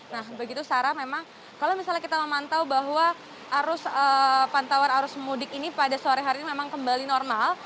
nah begitu sarah memang kalau misalnya kita memantau bahwa arus pantauan arus mudik ini pada sore hari ini memang kembali normal